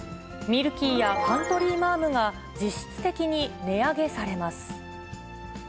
ミルキーやカントリーマアムが、実質的に値上げされます。